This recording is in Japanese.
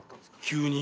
急に？